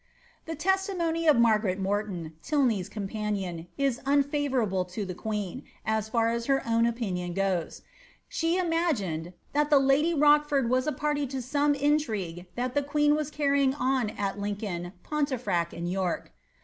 The testimony of Margaret Morton' (Tylney's companion) is unfa vourable to the queen, as far as her own opinion goes ; she imagined ^ that the lady Rochford was a party to some intrigue that the queen was carrying on at Lincoln, Pontefract, and York."